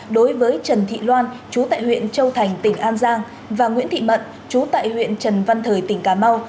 đối với trần thị loan chú tại huyện châu thành tỉnh an giang và nguyễn thị mận chú tại huyện trần văn thời tỉnh cà mau